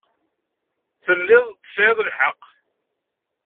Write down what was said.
Telliḍ tesɛiḍ lḥeqq.